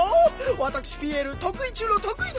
わたくしピエールとくい中のとくいで。